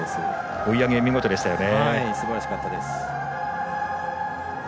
追い上げ、見事でしたよね。